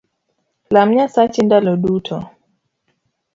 Lam Nyasachi ndalo duto